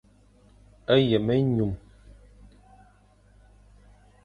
Yem-enyum.